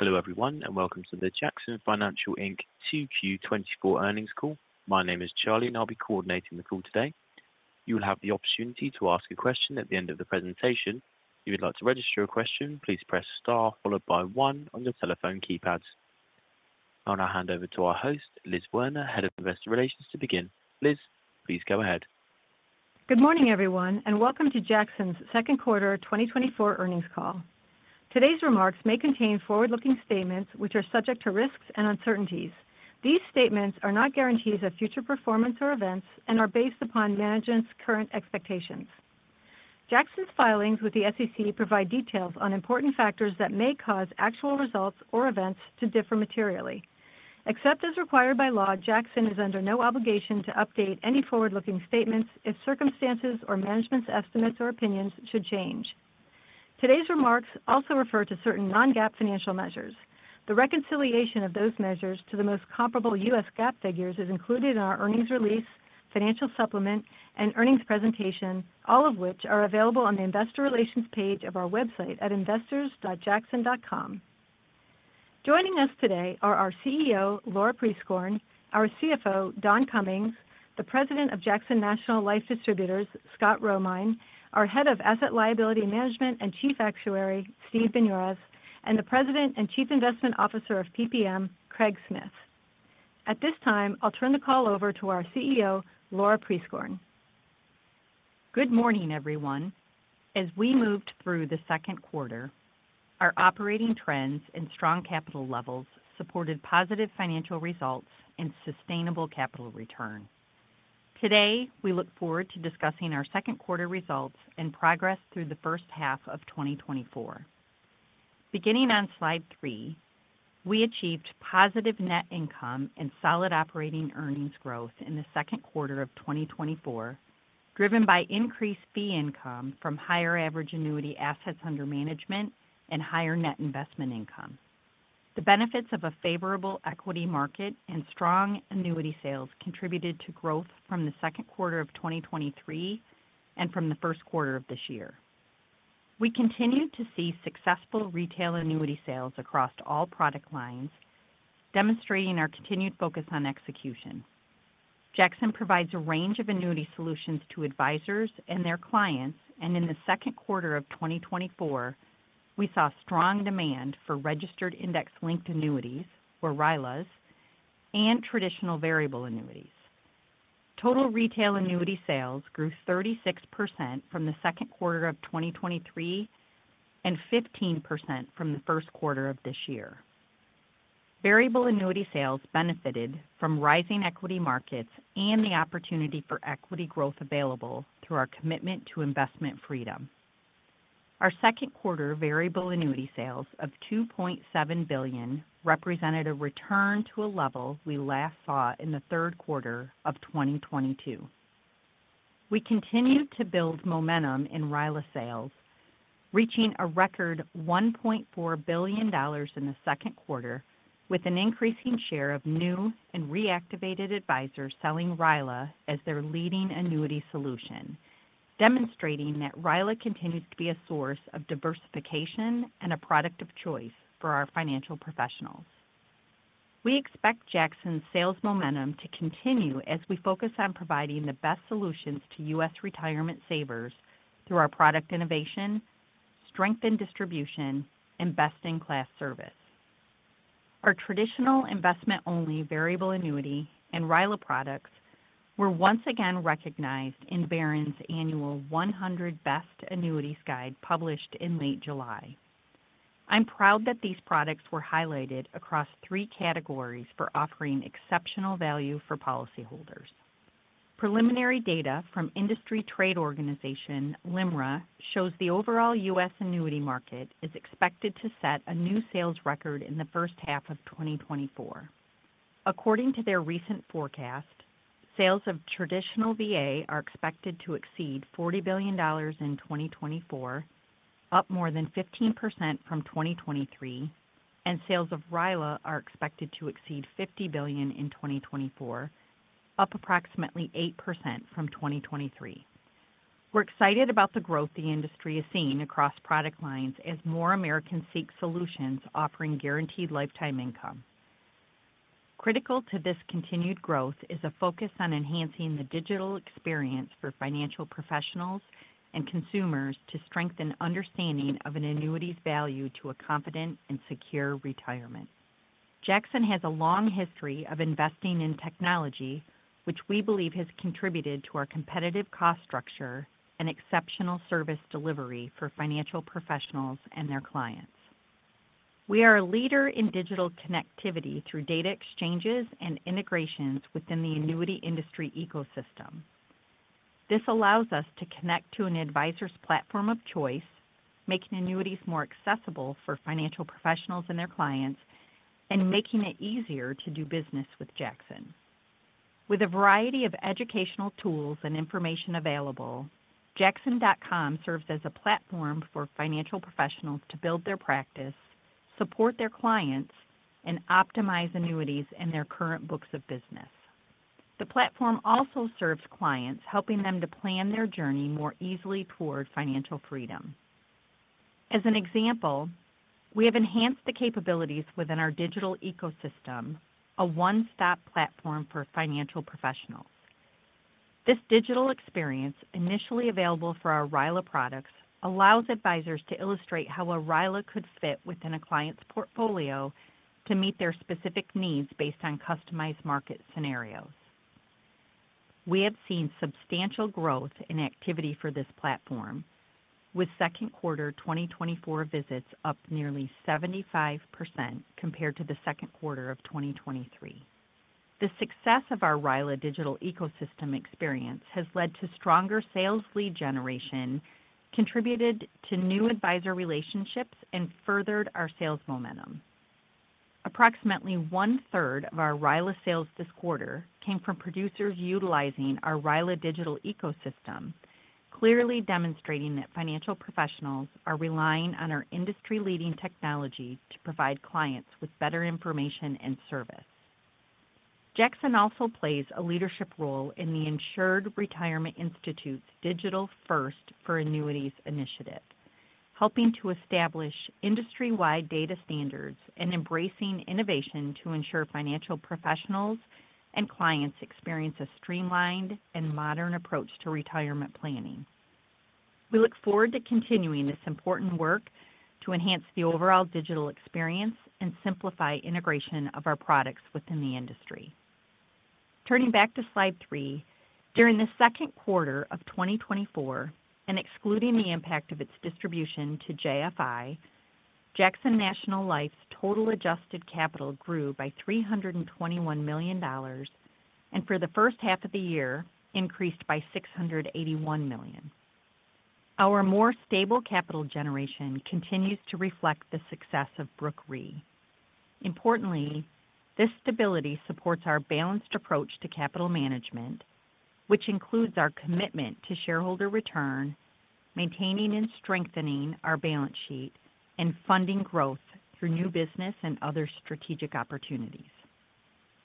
Hello, everyone, and welcome to the Jackson Financial Inc. Q2 2024 earnings call. My name is Charlie, and I'll be coordinating the call today. You will have the opportunity to ask a question at the end of the presentation. If you'd like to register a question, please press star followed by one on your telephone keypads. I'll now hand over to our host, Liz Werner, Head of Investor Relations, to begin. Liz, please go ahead. Good morning, everyone, and welcome to Jackson's second quarter 2024 earnings call. Today's remarks may contain forward-looking statements which are subject to risks and uncertainties. These statements are not guarantees of future performance or events and are based upon management's current expectations. Jackson's filings with the SEC provide details on important factors that may cause actual results or events to differ materially. Except as required by law, Jackson is under no obligation to update any forward-looking statements if circumstances or management's estimates or opinions should change. Today's remarks also refer to certain non-GAAP financial measures. The reconciliation of those measures to the most comparable U.S. GAAP figures is included in our earnings release, financial supplement, and earnings presentation, all of which are available on the Investor Relations page of our website at investors.jackson.com. Joining us today are our CEO, Laura Prieskorn, our CFO, Don Cummings, the President of Jackson National Life Distributors, Scott Romine, our Head of Asset Liability Management and Chief Actuary, Steve Pinero, and the President and Chief Investment Officer of PPM, Craig Smith. At this time, I'll turn the call over to our CEO, Laura Prieskorn. Good morning, everyone. As we moved through the second quarter, our operating trends and strong capital levels supported positive financial results and sustainable capital return. Today, we look forward to discussing our second quarter results and progress through the first half of 2024. Beginning on slide 3, we achieved positive net income and solid operating earnings growth in the second quarter of 2024, driven by increased fee income from higher average annuity assets under management and higher net investment income. The benefits of a favorable equity market and strong annuity sales contributed to growth from the second quarter of 2023 and from the first quarter of this year. We continued to see successful retail annuity sales across all product lines, demonstrating our continued focus on execution. Jackson provides a range of annuity solutions to advisors and their clients, and in the second quarter of 2024, we saw strong demand for registered index-linked annuities, or RILAs, and traditional variable annuities. Total retail annuity sales grew 36% from the second quarter of 2023 and 15% from the first quarter of this year. Variable annuity sales benefited from rising equity markets and the opportunity for equity growth available through our commitment to investment freedom. Our second quarter variable annuity sales of $2.7 billion represented a return to a level we last saw in the third quarter of 2022. We continued to build momentum in RILA sales, reaching a record $1.4 billion in the second quarter, with an increasing share of new and reactivated advisors selling RILA as their leading annuity solution, demonstrating that RILA continues to be a source of diversification and a product of choice for our financial professionals. We expect Jackson's sales momentum to continue as we focus on providing the best solutions to U.S. retirement savers through our product innovation, strength in distribution, and best-in-class service. Our traditional investment-only variable annuity and RILA products were once again recognized in Barron's annual 100 Best Annuities guide, published in late July. I'm proud that these products were highlighted across three categories for offering exceptional value for policyholders. Preliminary data from industry trade organization, LIMRA, shows the overall U.S. annuity market is expected to set a new sales record in the first half of 2024. According to their recent forecast, sales of traditional VA are expected to exceed $40 billion in 2024, up more than 15% from 2023, and sales of RILA are expected to exceed $50 billion in 2024, up approximately 8% from 2023. We're excited about the growth the industry is seeing across product lines as more Americans seek solutions offering guaranteed lifetime income. Critical to this continued growth is a focus on enhancing the digital experience for financial professionals and consumers to strengthen understanding of an annuity's value to a confident and secure retirement. Jackson has a long history of investing in technology, which we believe has contributed to our competitive cost structure and exceptional service delivery for financial professionals and their clients. We are a leader in digital connectivity through data exchanges and integrations within the annuity industry ecosystem. This allows us to connect to an advisor's platform of choice, making annuities more accessible for financial professionals and their clients, and making it easier to do business with Jackson. With a variety of educational tools and information available, jackson.com serves as a platform for financial professionals to build their practice, support their clients, and optimize annuities in their current books of business.... The platform also serves clients, helping them to plan their journey more easily toward financial freedom. As an example, we have enhanced the capabilities within our digital ecosystem, a one-stop platform for financial professionals. This digital experience, initially available for our RILA products, allows advisors to illustrate how a RILA could fit within a client's portfolio to meet their specific needs based on customized market scenarios. We have seen substantial growth in activity for this platform, with second quarter 2024 visits up nearly 75% compared to the second quarter of 2023. The success of our RILA digital ecosystem experience has led to stronger sales lead generation, contributed to new advisor relationships, and furthered our sales momentum. Approximately one-third of our RILA sales this quarter came from producers utilizing our RILA digital ecosystem, clearly demonstrating that financial professionals are relying on our industry-leading technology to provide clients with better information and service. Jackson also plays a leadership role in the Insured Retirement Institute's Digital First for Annuities initiative, helping to establish industry-wide data standards and embracing innovation to ensure financial professionals and clients experience a streamlined and modern approach to retirement planning. We look forward to continuing this important work to enhance the overall digital experience and simplify integration of our products within the industry. Turning back to slide 3, during the second quarter of 2024, and excluding the impact of its distribution to JFI, Jackson National Life's total adjusted capital grew by $321 million, and for the first half of the year, increased by $681 million. Our more stable capital generation continues to reflect the success of Brooke Re. Importantly, this stability supports our balanced approach to capital management, which includes our commitment to shareholder return, maintaining and strengthening our balance sheet, and funding growth through new business and other strategic opportunities.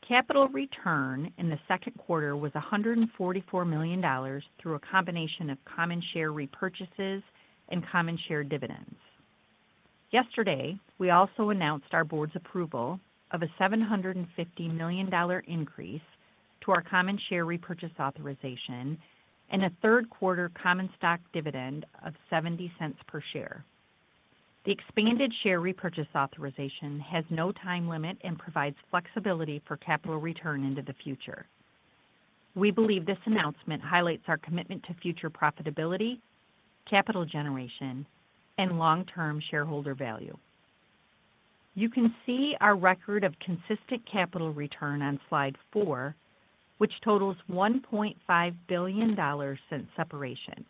Capital return in the second quarter was $144 million through a combination of common share repurchases and common share dividends. Yesterday, we also announced our board's approval of a $750 million increase to our common share repurchase authorization and a third quarter common stock dividend of 70 cents per share. The expanded share repurchase authorization has no time limit and provides flexibility for capital return into the future. We believe this announcement highlights our commitment to future profitability, capital generation, and long-term shareholder value. You can see our record of consistent capital return on slide four, which totals $1.5 billion since separation,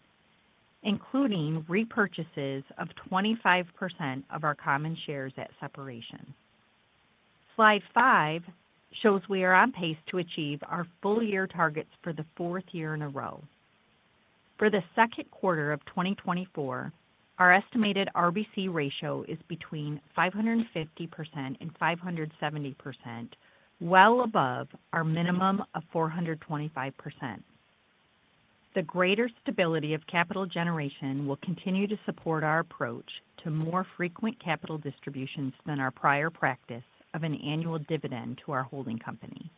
including repurchases of 25% of our common shares at separation. Slide five shows we are on pace to achieve our full year targets for the fourth year in a row. For the second quarter of 2024, our estimated RBC ratio is between 550% and 570%, well above our minimum of 425%. The greater stability of capital generation will continue to support our approach to more frequent capital distributions than our prior practice of an annual dividend to our holding company.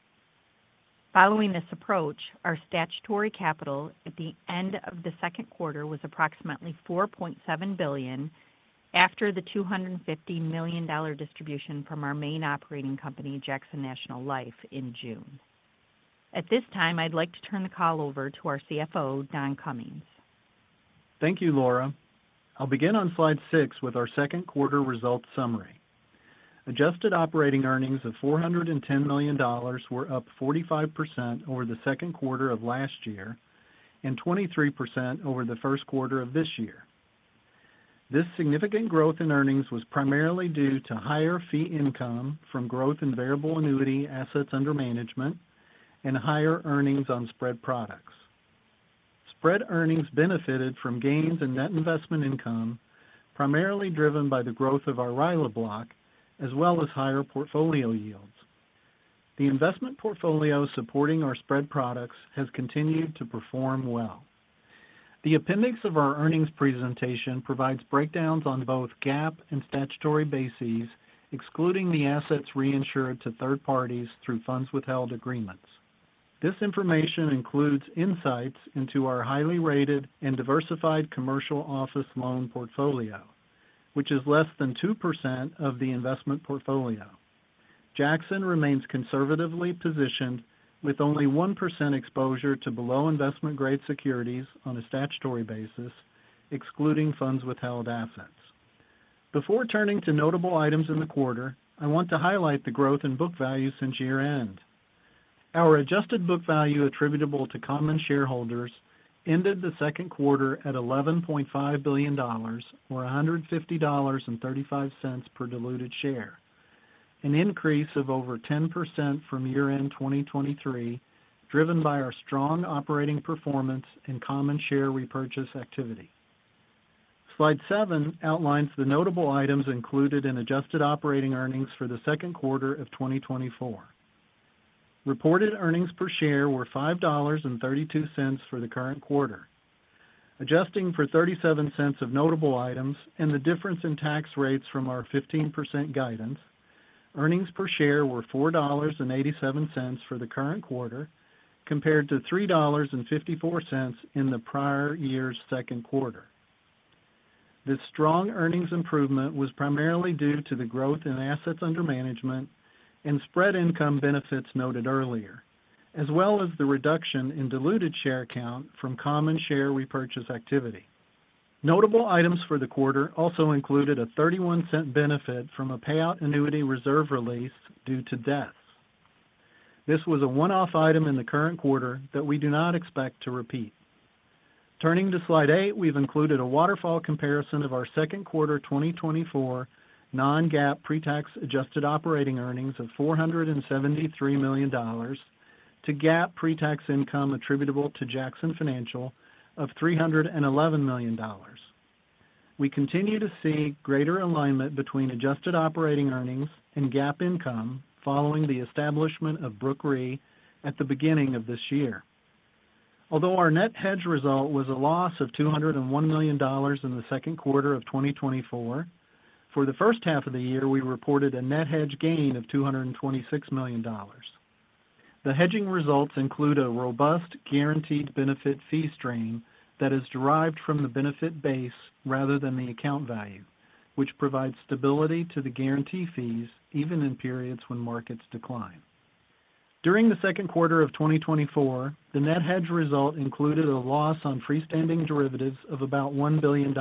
Following this approach, our statutory capital at the end of the second quarter was approximately $4.7 billion after the $250 million distribution from our main operating company, Jackson National Life, in June. At this time, I'd like to turn the call over to our CFO, Don Cummings. Thank you, Laura. I'll begin on slide 6 with our second quarter results summary. Adjusted operating earnings of $410 million were up 45% over the second quarter of last year and 23% over the first quarter of this year. This significant growth in earnings was primarily due to higher fee income from growth in variable annuity assets under management and higher earnings on spread products. Spread earnings benefited from gains in net investment income, primarily driven by the growth of our RILA block, as well as higher portfolio yields. The investment portfolio supporting our spread products has continued to perform well. The appendix of our earnings presentation provides breakdowns on both GAAP and statutory bases, excluding the assets reinsured to third parties through funds withheld agreements. This information includes insights into our highly rated and diversified commercial office loan portfolio, which is less than 2% of the investment portfolio. Jackson remains conservatively positioned with only 1% exposure to below investment grade securities on a statutory basis, excluding funds withheld assets. Before turning to notable items in the quarter, I want to highlight the growth in book value since year-end. Our adjusted book value attributable to common shareholders ended the second quarter at $11.5 billion, or $150.35 per diluted share, an increase of over 10% from year-end 2023, driven by our strong operating performance and common share repurchase activity.... Slide 7 outlines the notable items included in adjusted operating earnings for the second quarter of 2024. Reported earnings per share were $5.32 for the current quarter. Adjusting for $0.37 of notable items and the difference in tax rates from our 15% guidance, earnings per share were $4.87 for the current quarter, compared to $3.54 in the prior year's second quarter. This strong earnings improvement was primarily due to the growth in assets under management and spread income benefits noted earlier, as well as the reduction in diluted share count from common share repurchase activity. Notable items for the quarter also included a $0.31 benefit from a payout annuity reserve release due to deaths. This was a one-off item in the current quarter that we do not expect to repeat. Turning to Slide 8, we've included a waterfall comparison of our second quarter 2024 Non-GAAP pretax adjusted operating earnings of $473 million to GAAP pretax income attributable to Jackson Financial of $311 million. We continue to see greater alignment between adjusted operating earnings and GAAP income following the establishment of Brooke Re at the beginning of this year. Although our net hedge result was a loss of $201 million in the second quarter of 2024, for the first half of the year, we reported a net hedge gain of $226 million. The hedging results include a robust guaranteed benefit fee stream that is derived from the benefit base rather than the account value, which provides stability to the guarantee fees even in periods when markets decline. During the second quarter of 2024, the net hedge result included a loss on freestanding derivatives of about $1 billion,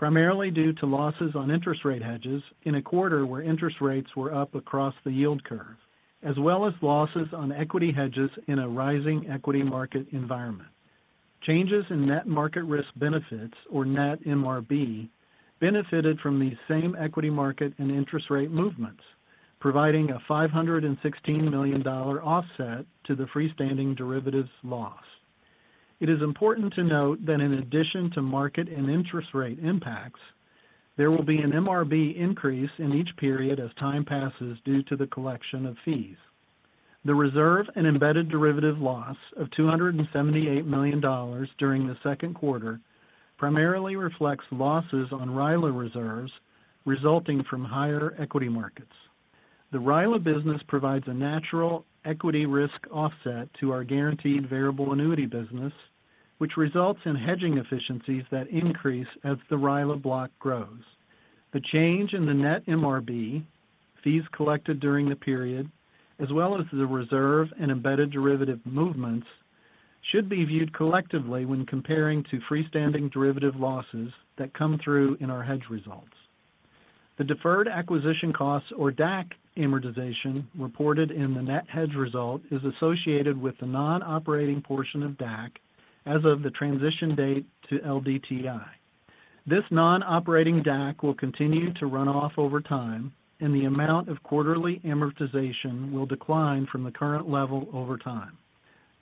primarily due to losses on interest rate hedges in a quarter where interest rates were up across the yield curve, as well as losses on equity hedges in a rising equity market environment. Changes in net market risk benefits, or net MRB, benefited from the same equity market and interest rate movements, providing a $516 million offset to the freestanding derivatives loss. It is important to note that in addition to market and interest rate impacts, there will be an MRB increase in each period as time passes due to the collection of fees. The reserve and embedded derivative loss of $278 million during the second quarter primarily reflects losses on RILA reserves resulting from higher equity markets. The RILA business provides a natural equity risk offset to our guaranteed variable annuity business, which results in hedging efficiencies that increase as the RILA block grows. The change in the net MRB, fees collected during the period, as well as the reserve and embedded derivative movements, should be viewed collectively when comparing to freestanding derivative losses that come through in our hedge results. The deferred acquisition costs, or DAC amortization, reported in the net hedge result is associated with the non-operating portion of DAC as of the transition date to LDTI. This non-operating DAC will continue to run off over time and the amount of quarterly amortization will decline from the current level over time.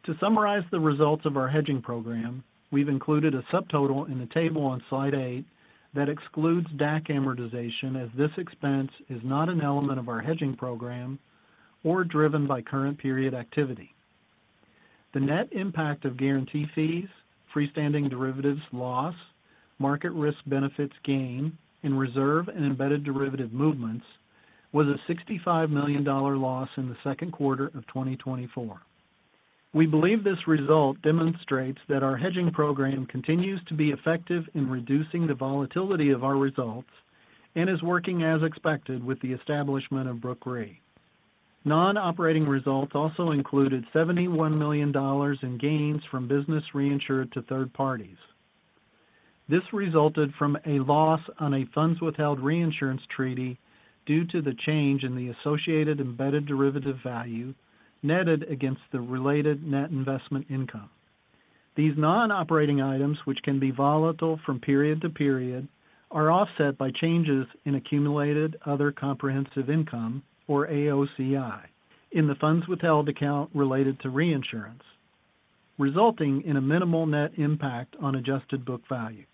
To summarize the results of our hedging program, we've included a subtotal in the table on Slide 8 that excludes DAC amortization, as this expense is not an element of our hedging program or driven by current period activity. The net impact of guarantee fees, freestanding derivatives loss, market risk benefits gain, and reserve and embedded derivative movements was a $65 million loss in the second quarter of 2024. We believe this result demonstrates that our hedging program continues to be effective in reducing the volatility of our results and is working as expected with the establishment of Brooke Re. Non-operating results also included $71 million in gains from business reinsured to third parties. This resulted from a loss on a funds withheld reinsurance treaty due to the change in the associated embedded derivative value, netted against the related net investment income. These non-operating items, which can be volatile from period to period, are offset by changes in accumulated other comprehensive income, or AOCI, in the funds withheld account related to reinsurance, resulting in a minimal net impact on adjusted book value.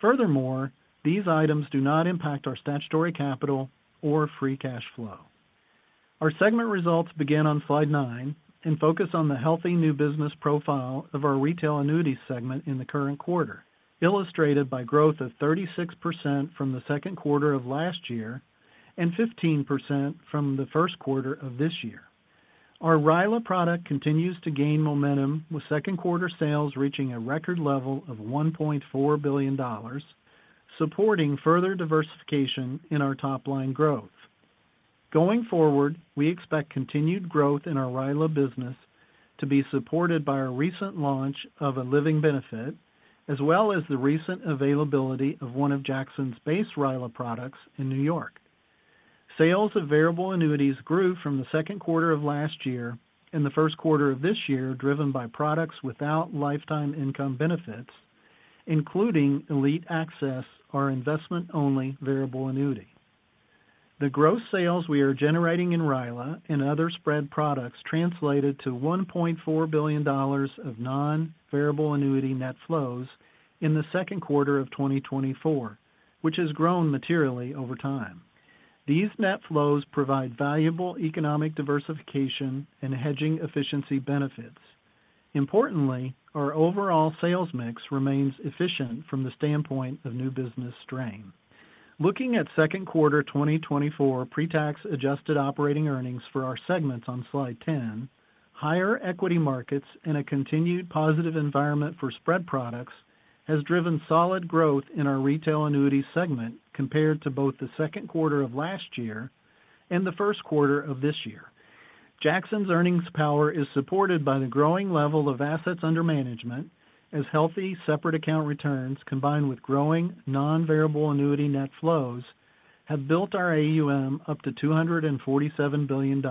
Furthermore, these items do not impact our statutory capital or free cash flow. Our segment results begin on Slide nine and focus on the healthy new business profile of our retail annuities segment in the current quarter, illustrated by growth of 36% from the second quarter of last year and 15% from the first quarter of this year. Our RILA product continues to gain momentum, with second quarter sales reaching a record level of $1.4 billion, supporting further diversification in our top-line growth. Going forward, we expect continued growth in our RILA business to be supported by our recent launch of a living benefit, as well as the recent availability of one of Jackson's base RILA products in New York. Sales of variable annuities grew from the second quarter of last year and the first quarter of this year, driven by products without lifetime income benefits, including Elite Access, our investment-only variable annuity.... The gross sales we are generating in RILA and other spread products translated to $1.4 billion of non-variable annuity net flows in the second quarter of 2024, which has grown materially over time. These net flows provide valuable economic diversification and hedging efficiency benefits. Importantly, our overall sales mix remains efficient from the standpoint of new business strain. Looking at second quarter 2024 pre-tax adjusted operating earnings for our segments on Slide 10, higher equity markets and a continued positive environment for spread products has driven solid growth in our retail annuities segment compared to both the second quarter of last year and the first quarter of this year. Jackson's earnings power is supported by the growing level of assets under management, as healthy separate account returns, combined with growing non-variable annuity net flows, have built our AUM up to $247 billion,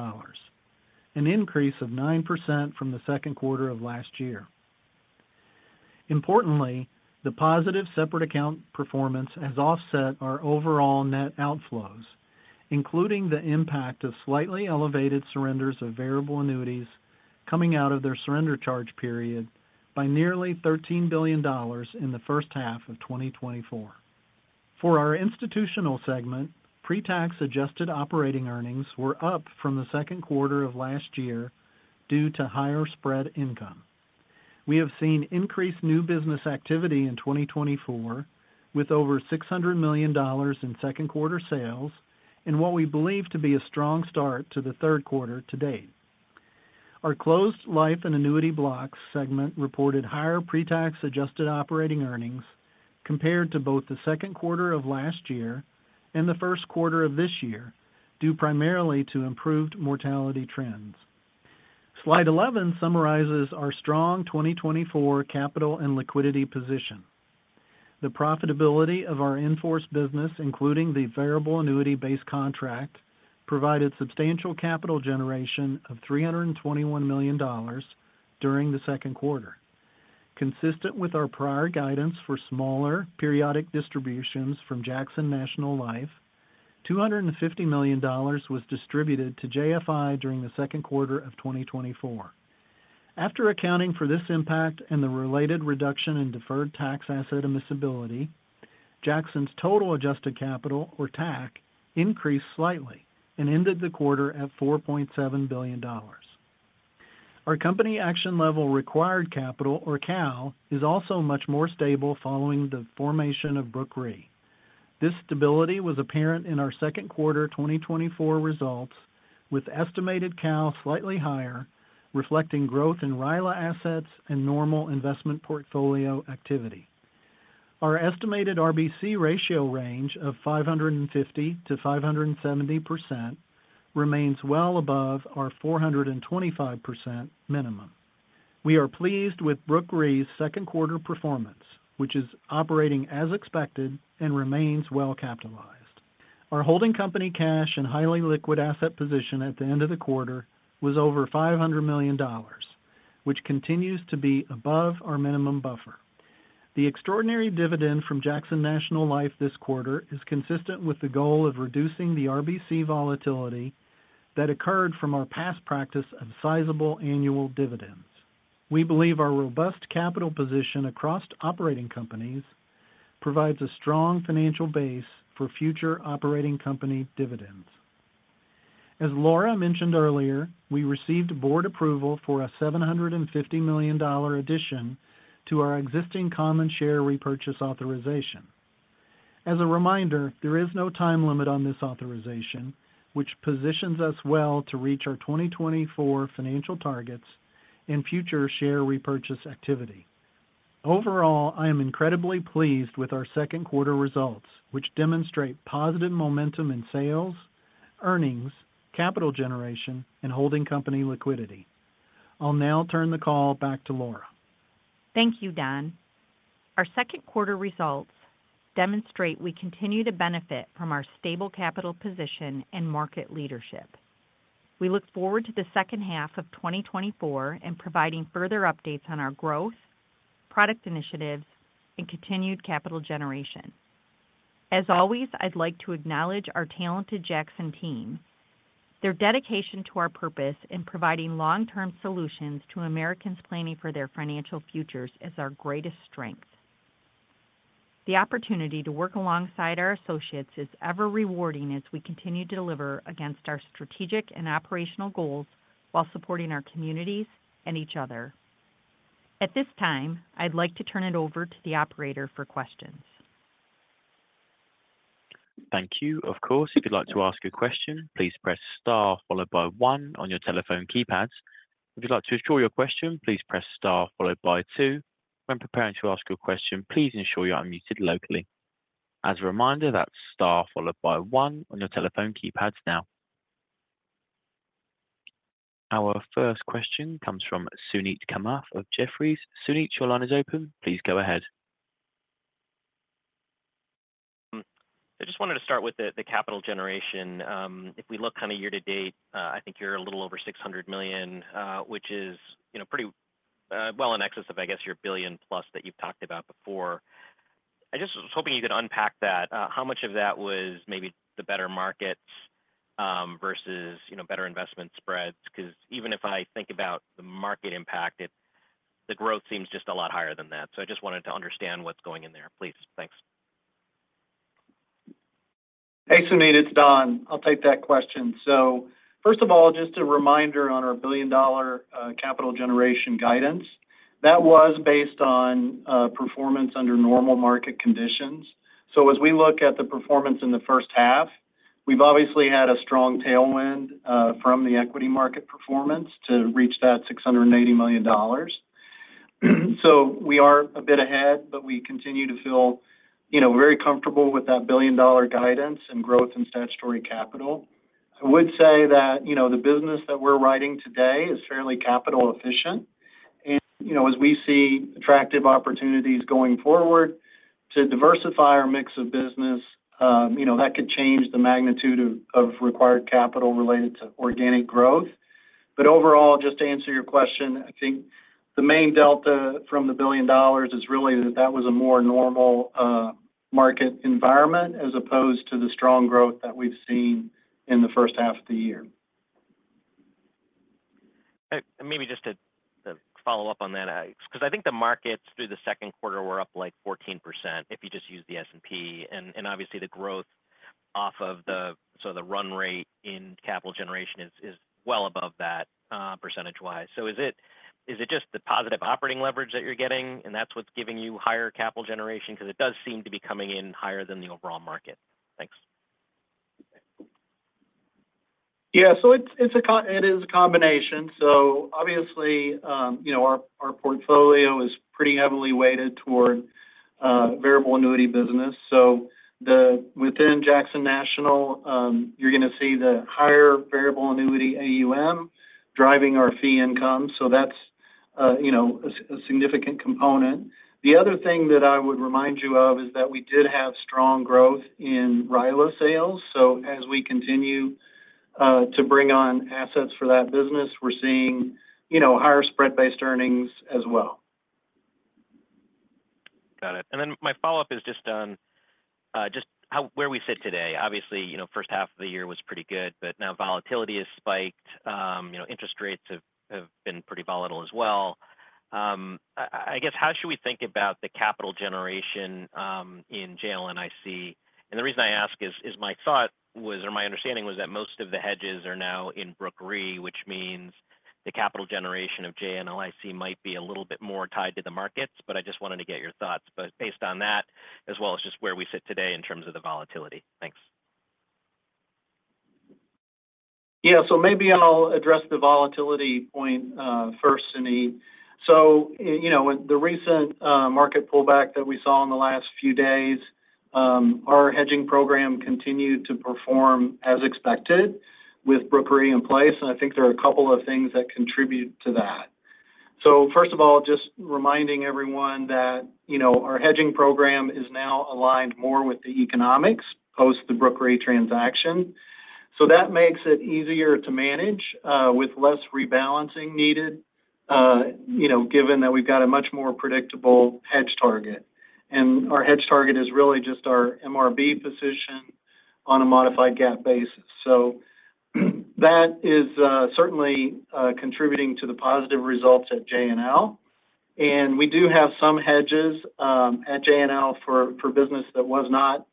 an increase of 9% from the second quarter of last year. Importantly, the positive separate account performance has offset our overall net outflows, including the impact of slightly elevated surrenders of variable annuities coming out of their surrender charge period by nearly $13 billion in the first half of 2024. For our institutional segment, pre-tax adjusted operating earnings were up from the second quarter of last year due to higher spread income. We have seen increased new business activity in 2024, with over $600 million in second quarter sales and what we believe to be a strong start to the third quarter to date. Our closed life and annuity blocks segment reported higher pre-tax adjusted operating earnings compared to both the second quarter of last year and the first quarter of this year, due primarily to improved mortality trends. Slide 11 summarizes our strong 2024 capital and liquidity position. The profitability of our in-force business, including the variable annuity-based contract, provided substantial capital generation of $321 million during the second quarter. Consistent with our prior guidance for smaller periodic distributions from Jackson National Life, $250 million was distributed to JFI during the second quarter of 2024. After accounting for this impact and the related reduction in deferred tax asset admissibility, Jackson's total adjusted capital, or TAC, increased slightly and ended the quarter at $4.7 billion. Our company action level required capital, or CAL, is also much more stable following the formation of Brooke Re. This stability was apparent in our second quarter 2024 results, with estimated CAL slightly higher, reflecting growth in RILA assets and normal investment portfolio activity. Our estimated RBC ratio range of 550%-570% remains well above our 425% minimum. We are pleased with Brooke Re's second quarter performance, which is operating as expected and remains well capitalized. Our holding company cash and highly liquid asset position at the end of the quarter was over $500 million, which continues to be above our minimum buffer. The extraordinary dividend from Jackson National Life this quarter is consistent with the goal of reducing the RBC volatility that occurred from our past practice of sizable annual dividends. We believe our robust capital position across operating companies provides a strong financial base for future operating company dividends. As Laura mentioned earlier, we received board approval for a $750 million addition to our existing common share repurchase authorization. As a reminder, there is no time limit on this authorization, which positions us well to reach our 2024 financial targets and future share repurchase activity. Overall, I am incredibly pleased with our second quarter results, which demonstrate positive momentum in sales, earnings, capital generation, and holding company liquidity. I'll now turn the call back to Laura. Thank you, Don. Our second quarter results demonstrate we continue to benefit from our stable capital position and market leadership. We look forward to the second half of 2024 and providing further updates on our growth, product initiatives, and continued capital generation. As always, I'd like to acknowledge our talented Jackson team. Their dedication to our purpose in providing long-term solutions to Americans planning for their financial futures is our greatest strength. The opportunity to work alongside our associates is ever rewarding as we continue to deliver against our strategic and operational goals while supporting our communities and each other. At this time, I'd like to turn it over to the operator for questions. Thank you. Of course, if you'd like to ask a question, please press star followed by one on your telephone keypads. If you'd like to withdraw your question, please press star followed by two. When preparing to ask your question, please ensure you are unmuted locally. As a reminder, that's star followed by one on your telephone keypads now. Our first question comes from Suneet Kamath of Jefferies. Suneet, your line is open. Please go ahead. I just wanted to start with the, the capital generation. If we look kind of year to date, I think you're a little over $600 million, which is, you know, well, in excess of, I guess, your $1 billion plus that you've talked about before. I just was hoping you could unpack that. How much of that was maybe the better markets, versus, you know, better investment spreads? Because even if I think about the market impact, it, the growth seems just a lot higher than that. So I just wanted to understand what's going in there, please. Thanks. Hey, Suneet, it's Don. I'll take that question. So first of all, just a reminder on our billion-dollar capital generation guidance. That was based on performance under normal market conditions. So as we look at the performance in the first half, we've obviously had a strong tailwind from the equity market performance to reach that $680 million. So we are a bit ahead, but we continue to feel, you know, very comfortable with that billion-dollar guidance and growth in statutory capital. I would say that, you know, the business that we're riding today is fairly capital efficient. And, you know, as we see attractive opportunities going forward to diversify our mix of business, you know, that could change the magnitude of required capital related to organic growth. But overall, just to answer your question, I think the main delta from the $1 billion is really that that was a more normal market environment, as opposed to the strong growth that we've seen in the first half of the year. And maybe just to follow up on that, 'cause I think the markets through the second quarter were up, like, 14%, if you just use the S&P. And obviously, the growth off of the... so the run rate in capital generation is well above that, percentage-wise. So is it just the positive operating leverage that you're getting, and that's what's giving you higher capital generation? 'Cause it does seem to be coming in higher than the overall market. Thanks. Yeah, so it's a combination. So obviously, you know, our portfolio is pretty heavily weighted toward variable annuity business. So within Jackson National, you're gonna see the higher variable annuity AUM driving our fee income, so that's, you know, a significant component. The other thing that I would remind you of is that we did have strong growth in RILA sales. So as we continue to bring on assets for that business, we're seeing, you know, higher spread-based earnings as well. Got it. And then my follow-up is just on just where we sit today. Obviously, you know, first half of the year was pretty good, but now volatility has spiked. You know, interest rates have been pretty volatile as well. I guess, how should we think about the capital generation in JNLIC? And the reason I ask is my thought was, or my understanding was that most of the hedges are now in Brooke Re, which means the capital generation of JNLIC might be a little bit more tied to the markets, but I just wanted to get your thoughts, but based on that, as well as just where we sit today in terms of the volatility. Thanks. Yeah, so maybe I'll address the volatility point first, Suneet. So you know, with the recent market pullback that we saw in the last few days, our hedging program continued to perform as expected with Brooke Re in place, and I think there are a couple of things that contribute to that. So first of all, just reminding everyone that, you know, our hedging program is now aligned more with the economics post the Brooke Re transaction. So that makes it easier to manage with less rebalancing needed, you know, given that we've got a much more predictable hedge target. And our hedge target is really just our MRB position on a modified GAAP basis. So that is certainly contributing to the positive results at JNL. We do have some hedges at JNL for business that was not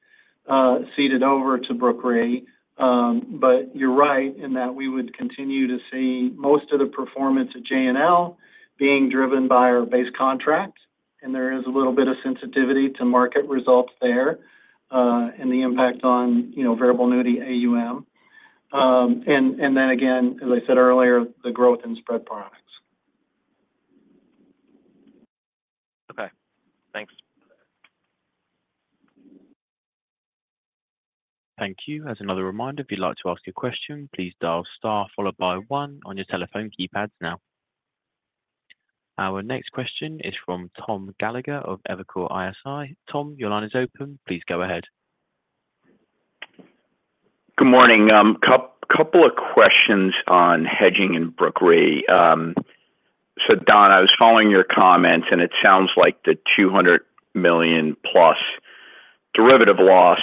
seeded over to Brooke Re. But you're right in that we would continue to see most of the performance at JNL being driven by our base contract, and there is a little bit of sensitivity to market results there, and the impact on, you know, variable annuity AUM. And then again, as I said earlier, the growth in spread products. Okay, thanks. Thank you. As another reminder, if you'd like to ask a question, please dial star followed by one on your telephone keypads now. Our next question is from Tom Gallagher of Evercore ISI. Tom, your line is open. Please go ahead. Good morning. Couple of questions on hedging in Brooke Re. So Don, I was following your comments, and it sounds like the $200 million+ derivative loss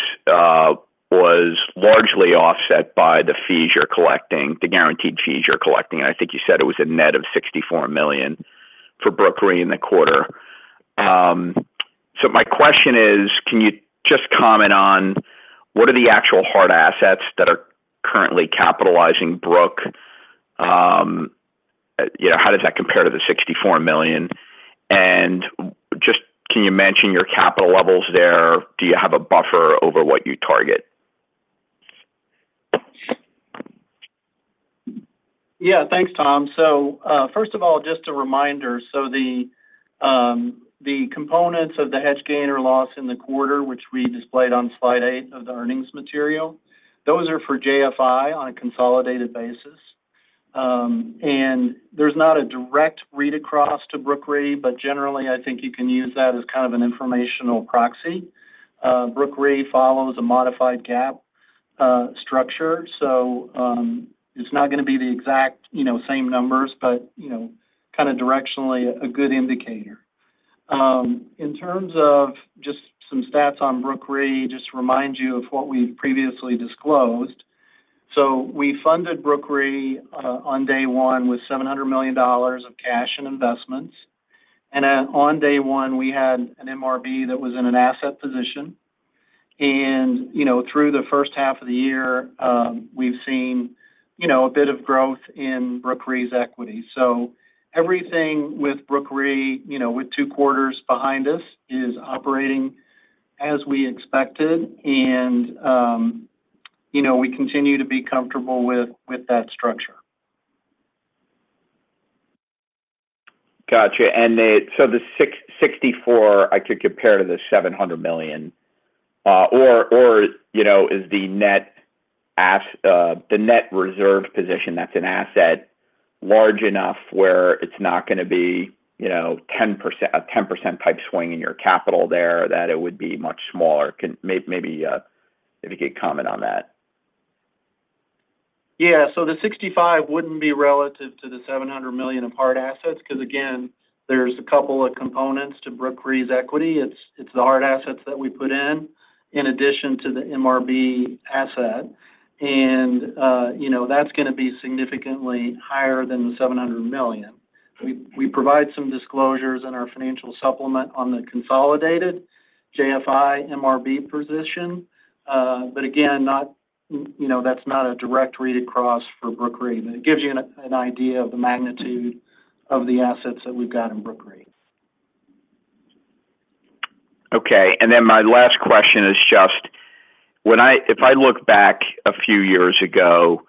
was largely offset by the fees you're collecting, the guaranteed fees you're collecting. I think you said it was a net of $64 million for Brooke Re in the quarter. So my question is: can you just comment on what are the actual hard assets that are currently capitalizing Brooke? You know, how does that compare to the $64 million? And just can you mention your capital levels there? Do you have a buffer over what you target? Yeah. Thanks, Tom. So, first of all, just a reminder: so the components of the hedge gain or loss in the quarter, which we displayed on slide 8 of the earnings material, those are for JFI on a consolidated basis. And there's not a direct read-across to Brooke Re, but generally, I think you can use that as kind of an informational proxy. Brooke Re follows a modified GAAP structure. So, it's not going to be the exact, you know, same numbers, but, you know, kind of directionally a good indicator. In terms of just some stats on Brooke Re, just to remind you of what we've previously disclosed. So we funded Brooke Re on day one with $700 million of cash and investments. And then on day one, we had an MRB that was in an asset position. You know, through the first half of the year, we've seen, you know, a bit of growth in Brooke Re's equity. So everything with Brooke Re, you know, with two quarters behind us, is operating as we expected, and, you know, we continue to be comfortable with that structure. Got you. And then, so the 64, I could compare to the $700 million, or, you know, is the net reserve position that's an asset large enough where it's not going to be, you know, 10% type swing in your capital there, that it would be much smaller? Maybe, if you could comment on that. Yeah. So the 65 wouldn't be relative to the $700 million of hard assets, because, again, there's a couple of components to Brooke Re's equity. It's the hard assets that we put in, in addition to the MRB asset. And, you know, that's going to be significantly higher than the $700 million. We provide some disclosures in our financial supplement on the consolidated JFI, MRB position. But again, you know, that's not a direct read-across for Brooke Re. But it gives you an idea of the magnitude of the assets that we've got in Brooke Re. Okay. And then my last question is just, when I – if I look back a few years ago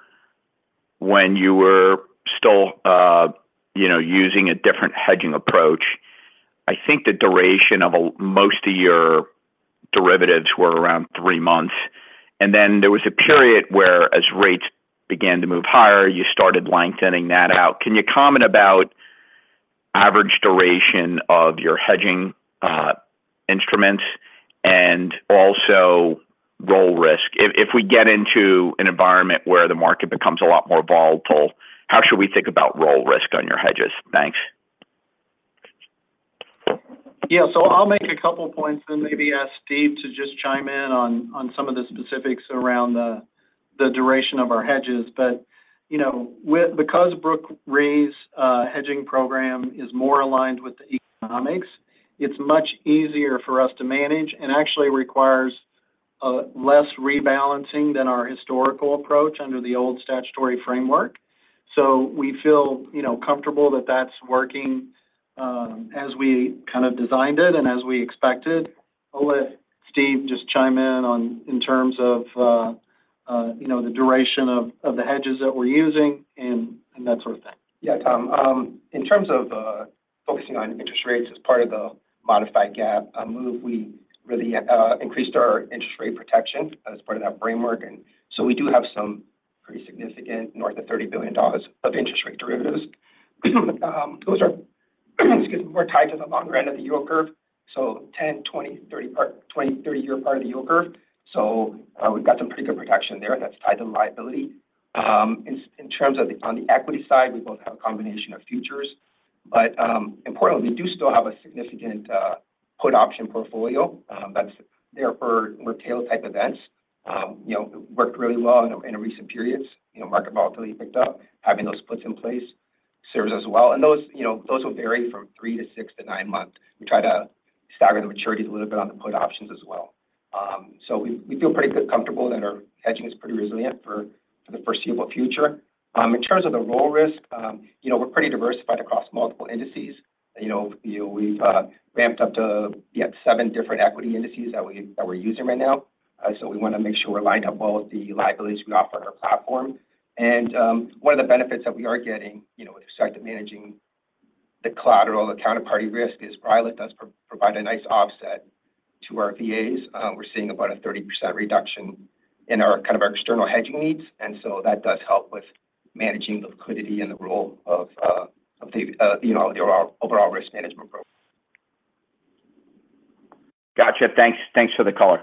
when you were still, you know, using a different hedging approach, I think the duration of most of your derivatives were around 3 months. And then there was a period where, as rates began to move higher, you started lengthening that out. Can you comment about average duration of your hedging instruments and also roll risk? If we get into an environment where the market becomes a lot more volatile, how should we think about roll risk on your hedges? Thanks. Yeah. So I'll make a couple of points and maybe ask Steve to just chime in on some of the specifics around the duration of our hedges. But, you know, with, because Brooke Re's hedging program is more aligned with the economics, it's much easier for us to manage and actually requires less rebalancing than our historical approach under the old statutory framework. So we feel, you know, comfortable that that's working as we kind of designed it and as we expected. I'll let Steve just chime in on in terms of, you know, the duration of the hedges that we're using and that sort of thing. Yeah, Tom, in terms of focusing on interest rates as part of the modified gap move, we really increased our interest rate protection as part of that framework. And so we do have some pretty significant, north of $30 billion of interest rate derivatives. Those are, excuse me, more tied to the longer end of the yield curve, so 10, 20, 30 part-- 20, 30-year part of the yield curve. So, we've got some pretty good protection there, that's tied to liability. In terms of the-- on the equity side, we both have a combination of futures, but, importantly, we do still have a significant put option portfolio, that's there for more tail-type events. You know, worked really well in recent periods. You know, market volatility picked up. Having those splits in place serves us well. And those, you know, those will vary from 3 to 6 to 9 months. We try to stagger the maturities a little bit on the put options as well. So we feel pretty good, comfortable, that our hedging is pretty resilient for the foreseeable future. In terms of the roll risk, you know, we're pretty diversified across multiple indices. You know, we've ramped up to 7 different equity indices that we're using right now. So we want to make sure we're lining up well with the liabilities we offer on our platform. And one of the benefits that we are getting, you know, with respect to managing the collateral, the counterparty risk, is RILA does provide a nice offset to our VAs. We're seeing about a 30% reduction in our, kind of our external hedging needs, and so that does help with managing the liquidity and the role of you know, our overall risk management program. Got you. Thanks. Thanks for the color.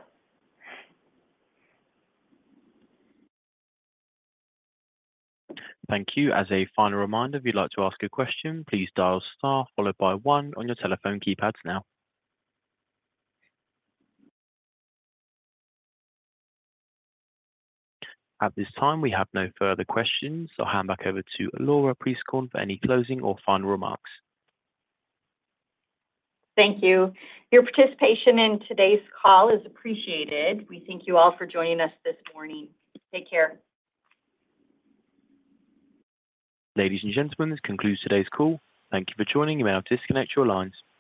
Thank you. As a final reminder, if you'd like to ask a question, please dial star followed by one on your telephone keypads now. At this time, we have no further questions. I'll hand back over to Laura Prieskorn for any closing or final remarks. Thank you. Your participation in today's call is appreciated. We thank you all for joining us this morning. Take care. Ladies and gentlemen, this concludes today's call. Thank you for joining. You may now disconnect your lines.